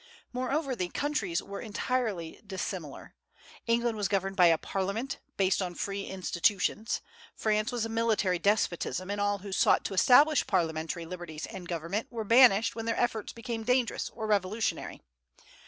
Moreover, the countries were entirely dissimilar: England was governed by Parliament, based on free institutions; France was a military despotism, and all who sought to establish parliamentary liberties and government were banished when their efforts became dangerous or revolutionary.